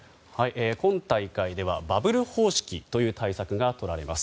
今大会ではバブル方式という対策がとられます。